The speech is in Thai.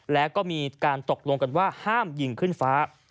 แล้วก็มีการตกลงกันว่าห้ามยิงขึ้นฟ้า